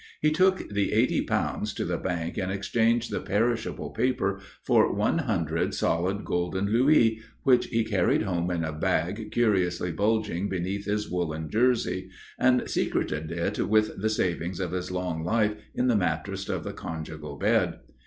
He took the eighty pounds to the bank and exchanged the perishable paper for one hundred solid golden louis which he carried home in a bag curiously bulging beneath his woollen jersey and secreted it with the savings of his long life in the mattress of the conjugal bed.